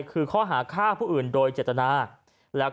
คือข้อหาฆ่าผู้อื่นโดยเจตนาแล้วก็